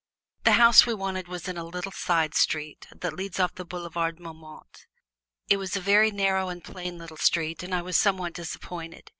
The house we wanted was in a little side street that leads off the Boulevard Montmartre. It was a very narrow and plain little street, and I was somewhat disappointed.